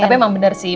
tapi emang bener sih